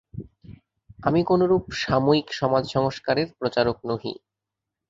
আমি কোনরূপ সাময়িক সমাজসংস্কারের প্রচারক নহি।